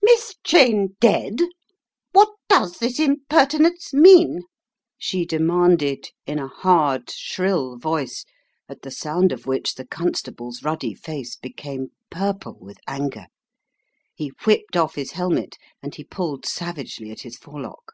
"Miss Cheyne dead! What does this imperti nence mean?" she demanded in a hard, shrill voice The House of Shadows 41 at the sound of which the constable's ruddy face became purple with anger. He whipped off his hel met and he pulled savagely at his forelock.